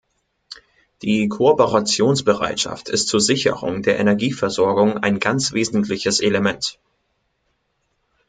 Die Kooperationsbereitschaft ist zur Sicherung der Energieversorgung ein ganz wesentliches Element.